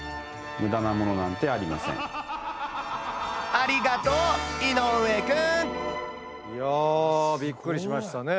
ありがとう井上くん！いやびっくりしましたね。